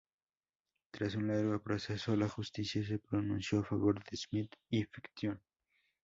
Tras un largo proceso, la justicia se pronunció a favor de Smith y Fiction.